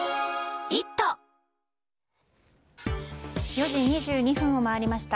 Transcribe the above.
４時２２分を回りました。